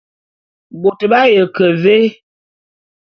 Bôt b'aye ke vé?